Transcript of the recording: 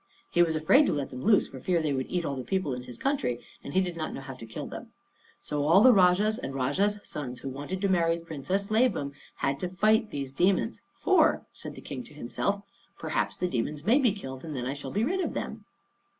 He was afraid to let them loose for fear they would eat up all the people in his country; and he did not know how to kill them. So all the Rajahs and Rajahs' sons who wanted to marry the Princess Labam had to fight with these demons; "for," said the King to himself, "perhaps the demons may be killed, and then I shall be rid of them."